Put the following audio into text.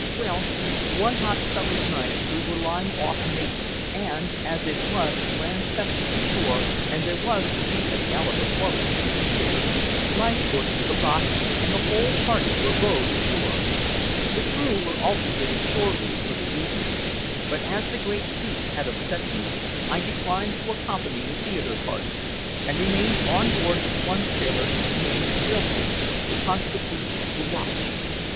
Well, one hot summer's night we were lying off Naples, and as it was a grand festa ashore and there was to be a gala performance at the theater, Leithcourt took a box and the whole party were rowed ashore. The crew were also given shore leave for the evening, but as the great heat had upset me I declined to accompany the theater party, and remained on board with one sailor named Wilson to constitute the watch.